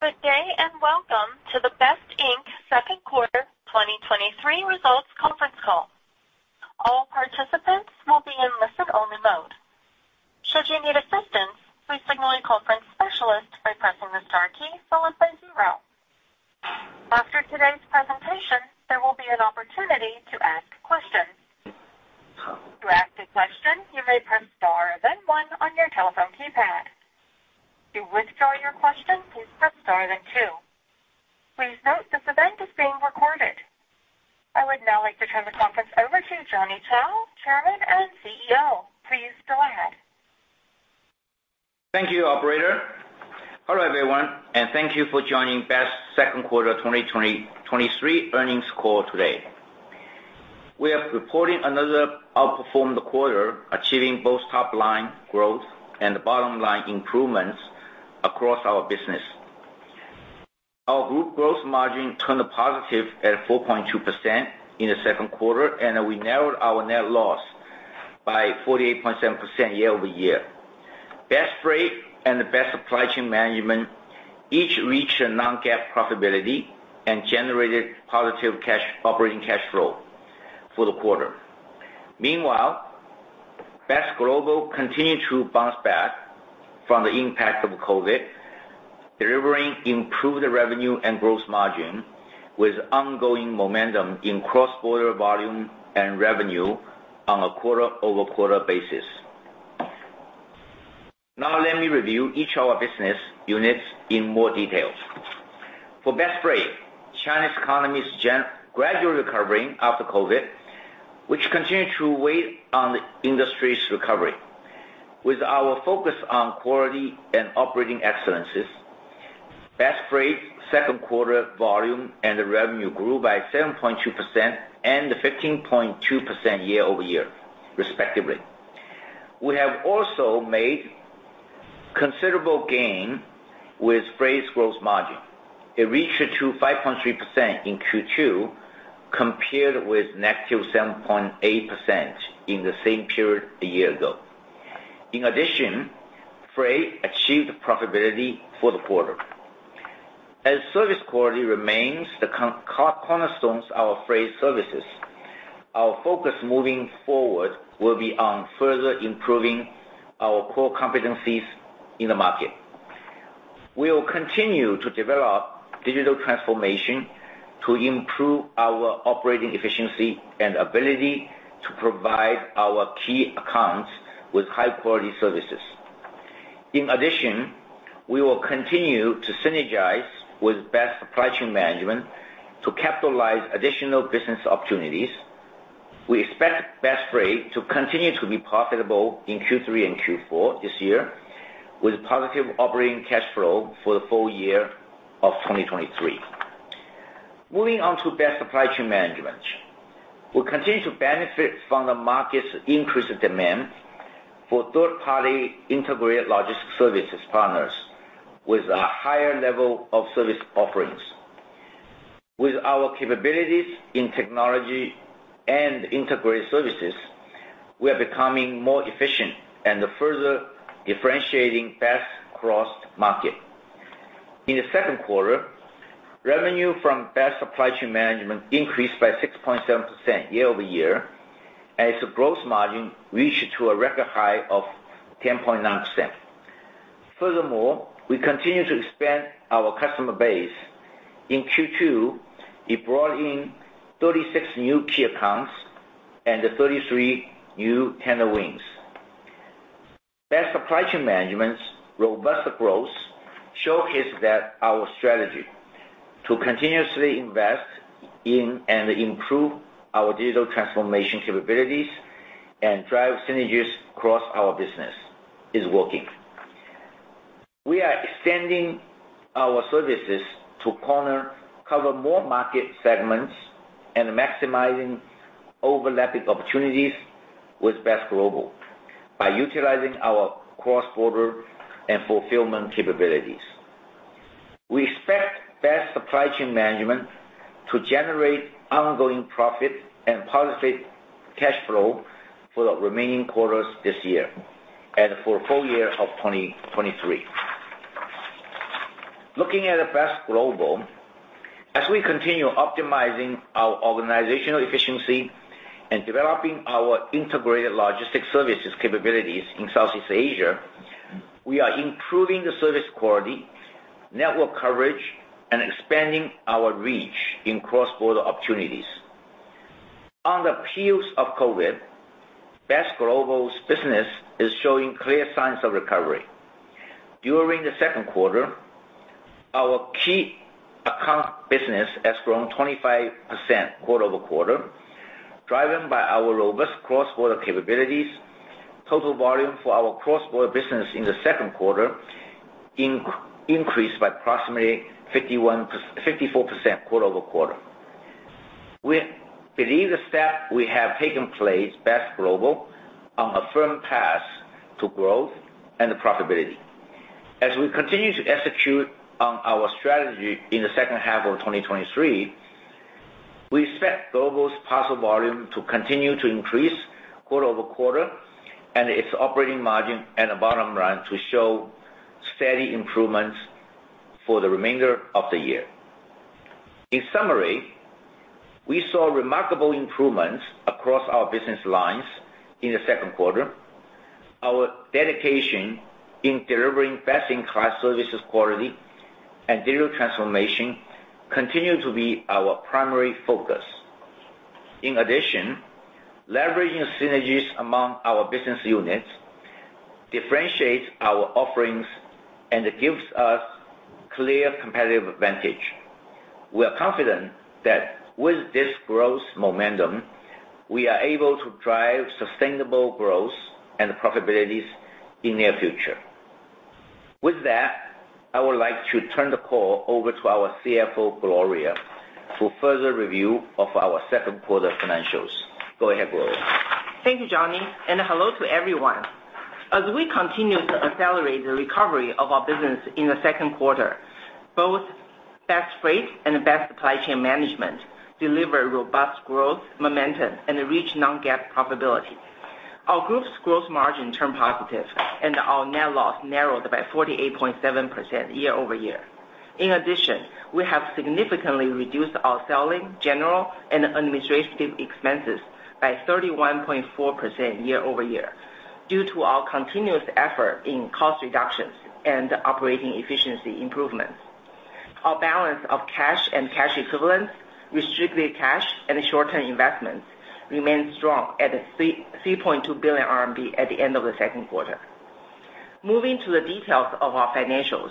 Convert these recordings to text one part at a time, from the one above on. Good day, and welcome to the BEST Inc. Second Quarter 2023 Results Conference Call. All participants will be in listen-only mode. Should you need assistance, please signal a conference specialist by pressing the star key followed by zero. After today's presentation, there will be an opportunity to ask questions. To ask a question, you may press star, then one on your telephone keypad. To withdraw your question, please press star, then two. Please note this event is being recorded. I would now like to turn the conference over to Johnny Chou, Chairman and CEO. Please go ahead. Thank you, operator. Hello, everyone, and thank you for joining BEST Second Quarter 2023 Earnings Call today. We are reporting another outperformed quarter, achieving both top line growth and bottom line improvements across our business. Our group gross margin turned a positive at 4.2% in the second quarter, and we narrowed our net loss by 48.7% year-over-year. BEST Freight and the BEST Supply Chain Management each reached a non-GAAP profitability and generated positive operating cash flow for the quarter. Meanwhile, BEST Global continued to bounce back from the impact of COVID, delivering improved revenue and growth margin, with ongoing momentum in cross-border volume and revenue on a quarter-over-quarter basis. Now let me review each of our business units in more details. For BEST Freight, Chinese economy is gradually recovering after COVID, which continues to weigh on the industry's recovery. With our focus on quality and operating excellence, BEST Freight second quarter volume and revenue grew by 7.2% and 15.2% year-over-year, respectively. We have also made considerable gain with Freight's gross margin. It reached to 5.3% in Q2, compared with -7.8% in the same period a year ago. In addition, Freight achieved profitability for the quarter. As service quality remains the cornerstones of our Freight services, our focus moving forward will be on further improving our core competencies in the market. We will continue to develop digital transformation to improve our operating efficiency and ability to provide our key accounts with high-quality services. In addition, we will continue to synergize with BEST Supply Chain Management to capitalize additional business opportunities. We expect BEST Freight to continue to be profitable in Q3 and Q4 this year, with positive operating cash flow for the full year of 2023. Moving on to BEST Supply Chain Management. We continue to benefit from the market's increased demand for third-party integrated logistics services partners with a higher level of service offerings. With our capabilities in technology and integrated services, we are becoming more efficient and further differentiating BEST across market. In the second quarter, revenue from BEST Supply Chain Management increased by 6.7% year over year, and its growth margin reached to a record high of 10.9%. Furthermore, we continue to expand our customer base. In Q2, it brought in 36 new key accounts and 33 new tender wins. BEST Supply Chain Management's robust growth showcases that our strategy to continuously invest in and improve our digital transformation capabilities and drive synergies across our business is working. We are extending our services to cover more market segments and maximizing overlapping opportunities with BEST Global by utilizing our cross-border and fulfillment capabilities. We expect BEST Supply Chain Management to generate ongoing profit and positive cash flow for the remaining quarters this year and for full year of 2023. Looking at BEST Global, as we continue optimizing our organizational efficiency and developing our integrated logistics services capabilities in Southeast Asia, we are improving the service quality, network coverage, and expanding our reach in cross-border opportunities. On the heels of COVID, BEST Global's business is showing clear signs of recovery. During the second quarter, our key account business has grown 25% quarter-over-quarter, driven by our robust cross-border capabilities. Total volume for our cross-border business in the second quarter increased by approximately 54% quarter-over-quarter. We believe the step we have taken place, BEST Global, on a firm path to growth and profitability. As we continue to execute on our strategy in the second half of 2023, we expect BEST Global's parcel volume to continue to increase quarter-over-quarter, and its operating margin and the bottom line to show steady improvements for the remainder of the year. In summary, we saw remarkable improvements across our business lines in the second quarter. Our dedication in delivering best-in-class services quality and digital transformation continue to be our primary focus. In addition, leveraging synergies among our business units differentiates our offerings and gives us clear competitive advantage. We are confident that with this growth momentum, we are able to drive sustainable growth and profitabilities in near future. With that, I would like to turn the call over to our CFO, Gloria, for further review of our second quarter financials. Go ahead, Gloria. Thank you, Johnny, and hello to everyone. As we continue to accelerate the recovery of our business in the second quarter, both BEST Freight and BEST Supply Chain Management delivered robust growth, momentum, and reached non-GAAP profitability. Our group's gross margin turned positive, and our net loss narrowed by 48.7% year-over-year. In addition, we have significantly reduced our selling, general, and administrative expenses by 31.4% year-over-year, due to our continuous effort in cost reductions and operating efficiency improvements. Our balance of cash and cash equivalents, restricted cash, and short-term investments remains strong at 3.2 billion RMB at the end of the second quarter. Moving to the details of our financials.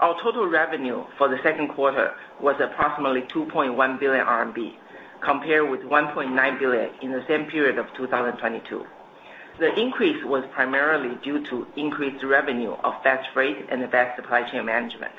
Our total revenue for the second quarter was approximately 2.1 billion RMB, compared with 1.9 billion in the same period of 2022. The increase was primarily due to increased revenue of BEST Freight and BEST Supply Chain Management.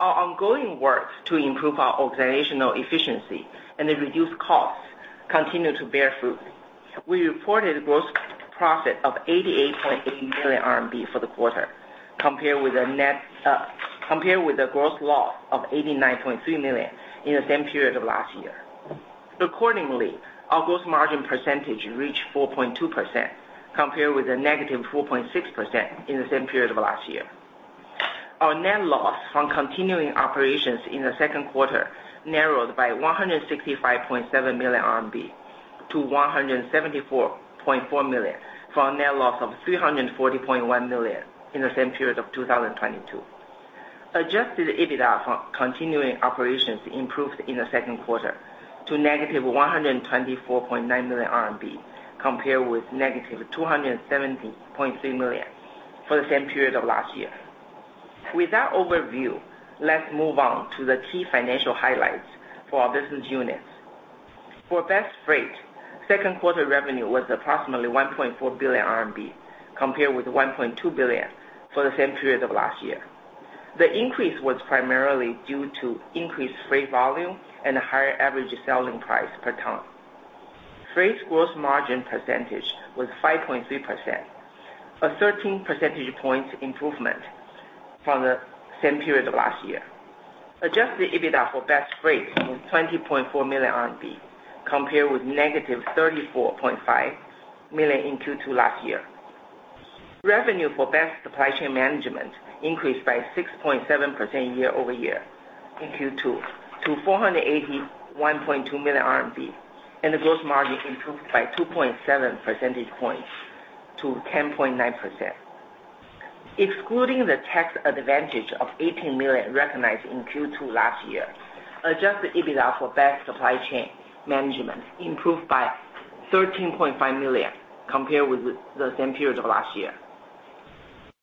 Our ongoing work to improve our organizational efficiency and reduce costs continue to bear fruit. We reported gross profit of 88.8 million RMB for the quarter, compared with a gross loss of 89.3 million in the same period of last year. Accordingly, our gross margin percentage reached 4.2%, compared with a -4.6% in the same period of last year. Our net loss from continuing operations in the second quarter narrowed by 165.7 million RMB to 174.4 million, from a net loss of 340.1 million in the same period of 2022. Adjusted EBITDA from continuing operations improved in the second quarter to -124.9 million RMB, compared with -217.3 million for the same period of last year. With that overview, let's move on to the key financial highlights for our business units. For BEST Freight, second quarter revenue was approximately 1.4 billion RMB, compared with 1.2 billion for the same period of last year. The increase was primarily due to increased freight volume and higher average selling price per ton. Freight's gross margin percentage was 5.3%, a 13 percentage points improvement from the same period of last year. Adjusted EBITDA for BEST Freight was 20.4 million RMB, compared with -34.5 million in Q2 last year. Revenue for BEST Supply Chain Management increased by 6.7% year-over-year in Q2 to 481.2 million RMB, and the gross margin improved by 2.7 percentage points to 10.9%. Excluding the tax advantage of 18 million recognized in Q2 last year, adjusted EBITDA for BEST Supply Chain Management improved by 13.5 million compared with the same period of last year.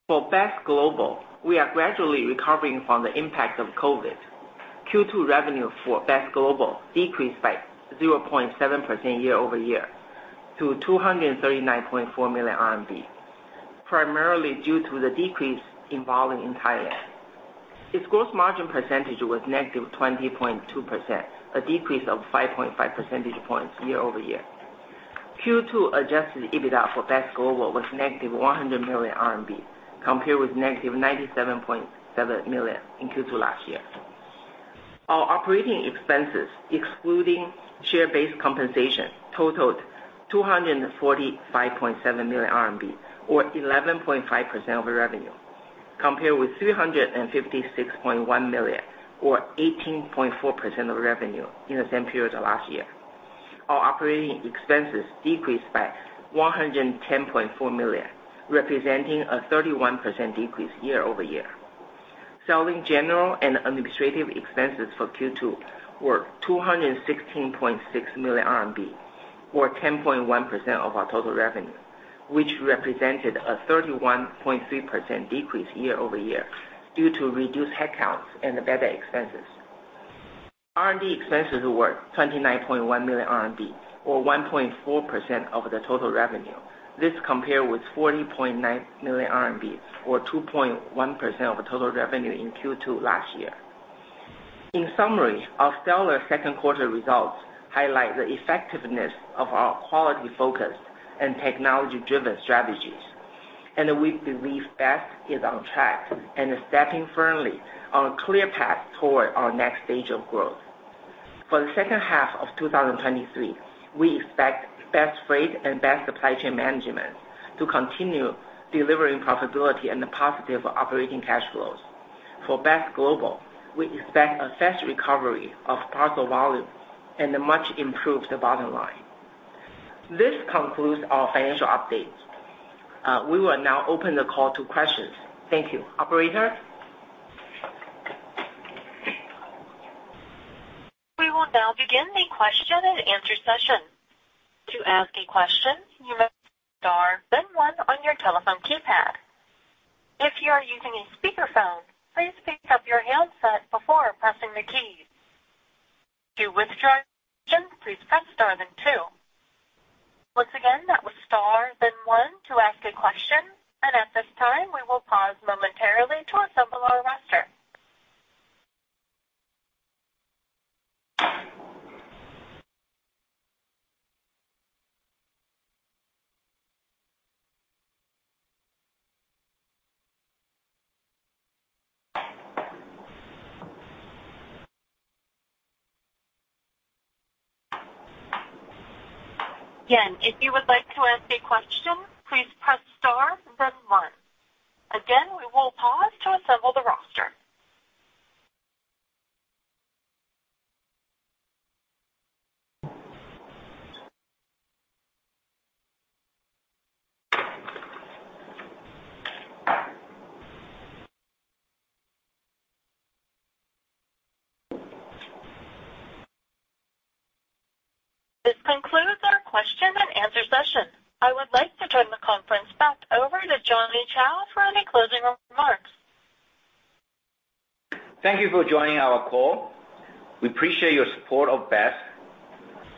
For BEST Global, we are gradually recovering from the impact of COVID. Q2 revenue for BEST Global decreased by 0.7% year-over-year to 239.4 million RMB, primarily due to the decrease in volume in Thailand. Its gross margin percentage was -20.2%, a decrease of 5.5 percentage points year-over-year. Q2 adjusted EBITDA for BEST Global was -100 million RMB, compared with -97.7 million in Q2 last year. Our operating expenses, excluding share-based compensation, totaled 245.7 million RMB, or 11.5% of revenue, compared with 356.1 million, or 18.4% of revenue, in the same period of last year. Our operating expenses decreased by 110.4 million, representing a 31% decrease year-over-year. Selling, general, and administrative expenses for Q2 were 216.6 million RMB, or 10.1% of our total revenue, which represented a 31.3% decrease year-over-year due to reduced headcount and the benefit expenses. R&D expenses were 29.1 million RMB, or 1.4% of the total revenue. This compared with 40.9 million RMB, or 2.1% of the total revenue in Q2 last year. In summary, our stellar second quarter results highlight the effectiveness of our quality-focused and technology-driven strategies. We believe BEST is on track and is stepping firmly on a clear path toward our next stage of growth. For the second half of 2023, we expect BEST Freight and BEST Supply Chain Management to continue delivering profitability and positive operating cash flows. For BEST Global, we expect a fast recovery of parcel volume and a much improved bottom line. This concludes our financial update. We will now open the call to questions. Thank you. Operator? We will now begin the Q&A session. To ask a question, you may star then one on your telephone keypad. If you are using a speakerphone, please pick up your handset before pressing the keys. To withdraw, please press star then two. Once again, that was star then one to ask a question, and at this time, we will pause momentarily to assemble our roster. Again, if you would like to ask a question, please press star then one. Again, we will pause to assemble the roster. This concludes our Q&A session. I would like to turn the conference back over to Johnny Chou for any closing remarks. Thank you for joining our call. We appreciate your support of BEST.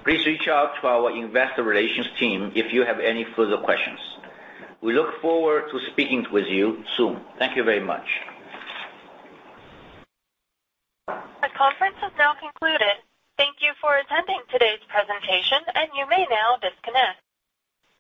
Please reach out to our investor relations team if you have any further questions. We look forward to speaking with you soon. Thank you very much. The conference is now concluded. Thank you for attending today's presentation, and you may now disconnect.